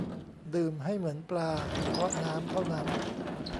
ดื่มให้เหมือนปลา เฉพาะน้ำเท่านั้น